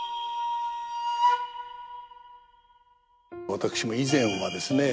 私も以前はですね